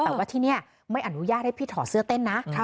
แต่ว่าที่นี่ไม่อนุญาตให้พี่ถอดเสื้อเต้นนะ